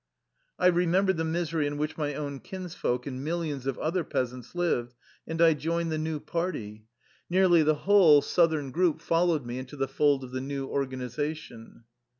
I re membered the misery in which my own kinsfolk and millions of other peasants lived and I joined the new party. Nearly the whole " Southern 51 THE LIFE STOKY OF A KUSSIAN EXILE Group " followed me into the fold of the new organization.